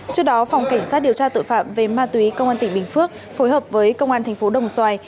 trước đó phòng cảnh sát điều tra tội phạm về ma túy công an tỉnh bình phước phối hợp với công an thành phố đồng xoài